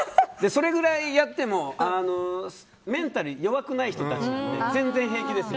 それぐらいやってもメンタル弱くない人たちは全然平気です。